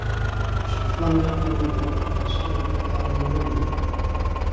She flung open the door and stood regarding the room.